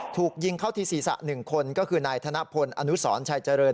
ถูกยิงเข้าที่ศีรษะ๑คนก็คือนายธนพลอนุสรชัยเจริญ